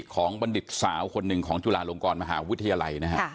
ของบรรดิตสาวคนหนึ่งของจุลาหลวงกรมหาวิทยาลัยนะครับ